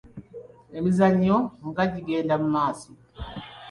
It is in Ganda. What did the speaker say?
Emizannyo nga gigenda mu maaso.